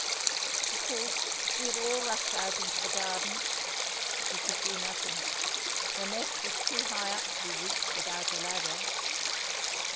Of course we had all rushed out into the garden; but we could do nothing; the nest was too high up to be reached without a ladder.